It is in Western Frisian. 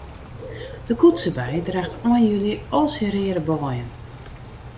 De koetsebei draacht ein july al syn reade beien.